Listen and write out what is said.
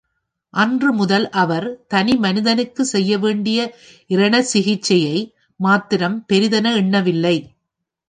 அன்று முதல் அவர் தனி மனிதனுக்குச் செய்யவேண்டிய இரணசிகிச்சையை மாத்திரம் பெரிதென எண்ணவில்லை.